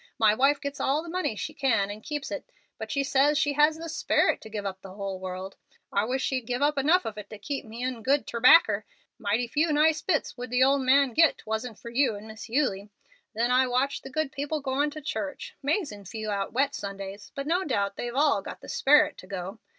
My wife gets all the money she can and keeps it, but she says she has the sperit to give up the hull world. I wish she'd give up enough of it to keep me in good terbacker. Mighty few nice bits would the old man git wasn't it for you and Miss Eulie. Then I watch the good people goin' to church. 'Mazin' few out wet Sundays. But no doubt they've all got the 'sperit' to go.